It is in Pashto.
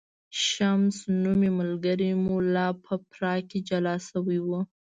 شمس نومی ملګری مو لا په پراګ کې جلا شوی و.